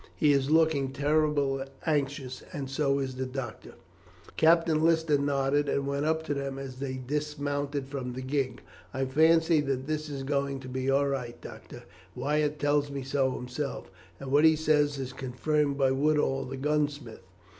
He is looking terribly anxious, and so is the doctor." Captain Lister nodded, and went up to them as they dismounted from the gig. "I fancy that it is going to be all right, doctor," he said, "Wyatt tells me so himself, and what he says is confirmed by Woodall, the gunsmith.